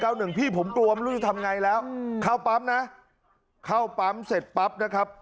หนึ่งพี่ผมกลัวไม่รู้จะทำไงแล้วเข้าปั๊มนะเข้าปั๊มเสร็จปั๊บนะครับ